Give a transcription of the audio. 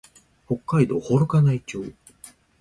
北海道幌加内町